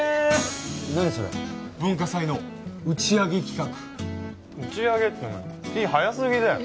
何それ文化祭の打ち上げ企画打ち上げって気早すぎだよ